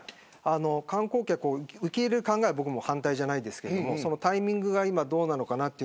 観光客を受け入れる考えは反対じゃないですがそのタイミングがどうなのか。